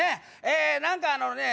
えー何かあのね